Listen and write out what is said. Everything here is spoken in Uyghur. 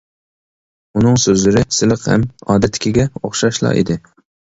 ئۇنىڭ سۆزلىرى سىلىق ھەم ئادەتتىكىگە ئوخشاشلا ئىدى.